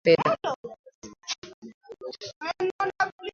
amepata watu mia mbili au mia tatu na mamlaka ya mapato Tanzania wakakata fedha